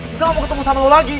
bisa mau ketemu sama lo lagi